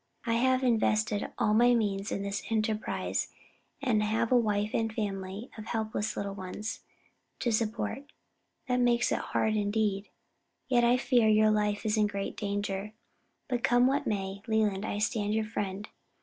I have invested all my means in this enterprise, and have a wife and family of helpless little ones to support." "That makes it hard indeed; yet I fear your life is in great danger. But come what may, Leland, I stand your friend.